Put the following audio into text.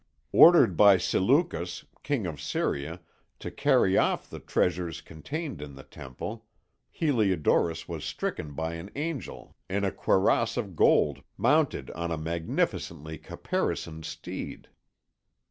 Ordered by Seleucus, King of Syria, to carry off the treasures contained in the Temple, Heliodorus was stricken by an angel in a cuirass of gold mounted on a magnificently caparisoned steed.